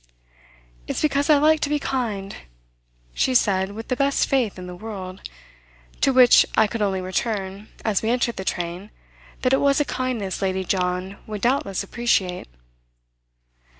"It's because I like to be kind!" she said with the best faith in the world; to which I could only return, as we entered the train, that it was a kindness Lady John would doubtless appreciate.